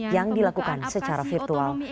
yang dilakukan secara virtual